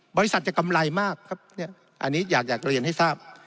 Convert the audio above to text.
บริษัทจะกำไรมากครับเนี่ยอันนี้อยากเรียนให้ทราบ